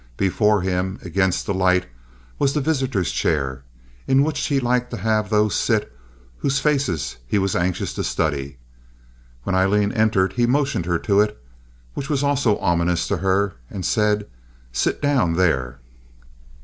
Before him, against the light, was the visitor's chair, in which he liked to have those sit whose faces he was anxious to study. When Aileen entered he motioned her to it, which was also ominous to her, and said, "Sit down there."